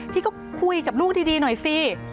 พี่ก็คุยกับลูกดีหน่อยสิ